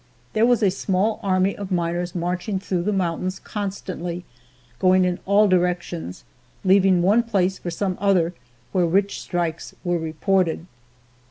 There was a small army of miners marching through the mountains constantly, going in all directions, leaving one place for some other where rich strikes were reported.